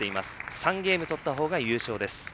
３ゲーム取った方が優勝です。